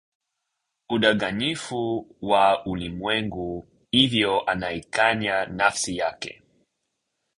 udanganyifu wa ulimwengu hivyo anaikanya nafsi yake